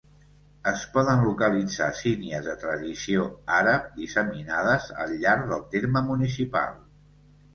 Es poden localitzar sínies de tradició àrab disseminades al llarg del terme municipal.